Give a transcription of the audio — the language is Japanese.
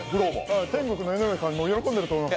天国の江上さんも喜んでいると思います。